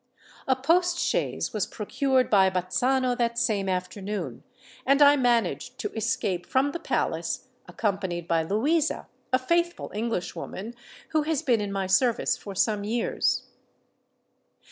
A post chaise was procured by Bazzano that same afternoon; and I managed to escape from the palace, accompanied by Louisa—a faithful Englishwoman who has been in my service for some years.